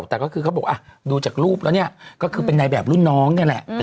แต่ก็คือเขาบอกดูจากรูปแล้วเนี่ยก็คือเป็นในแบบรุ่นน้องนี่แหละ